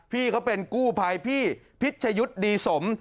พี่เขาเป็นกู้ภัยพี่พิชยุทธ์ดีสม